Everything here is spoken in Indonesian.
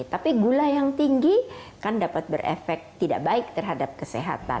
tapi gula yang tinggi kan dapat berefek tidak baik terhadap kesehatan